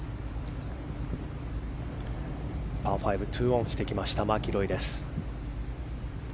パー５２オンしてきたマキロイ。